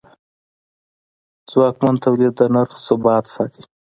ځواکمن تولید د نرخ ثبات ساتي.